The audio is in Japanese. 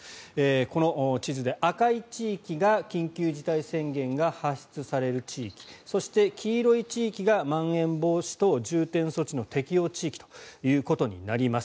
この地図で赤い地域が緊急事態宣言が発出される地域そして、黄色い地域がまん延防止等重点措置の適用地域ということになります。